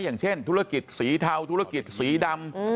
อย่างเช่นธุรกิจสีเทาธุรกิจสีดำ